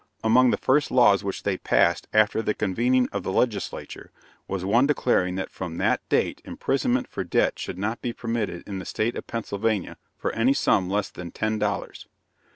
Among the first laws which they passed after the convening of the Legislature, was one declaring that from that date imprisonment for debt should not be permitted in the State of Pennsylvania for any sum less than ten dollars.